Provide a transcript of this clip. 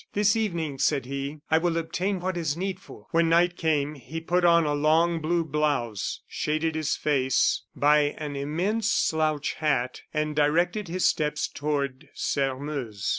"This evening," said he, "I will obtain what is needful." When night came, he put on a long blue blouse, shaded his face by an immense slouch hat, and directed his steps toward Sairmeuse.